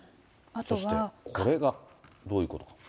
そしてこれがどういうことか。